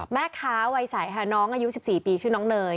แม่ค้าวัยใสค่ะน้องอายุ๑๔ปีชื่อน้องเนย